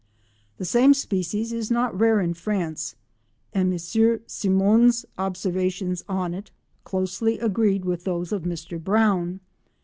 The same species is not rare in France and M. Simon's observations on it closely agreed with those of Mr Brown.